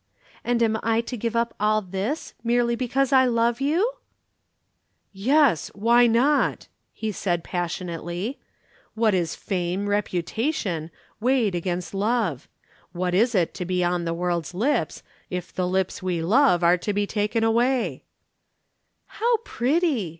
And am I to give up all this, merely because I love you?" [Illustration: So ran my Innocent Maiden Dream.] "Yes, why not!" he said passionately. "What is fame, reputation, weighed against love? What is it to be on the World's lips, if the lips we love are to be taken away?" "How pretty!"